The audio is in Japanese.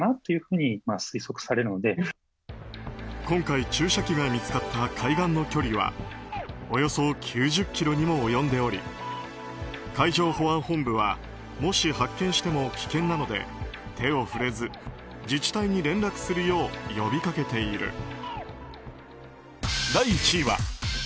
今回、注射器が見つかった海岸の距離はおよそ９０ｋｍにも及んでおり海上保安本部はもし発見しても危険なので手を触れず自治体に連絡するよう呼びかけている。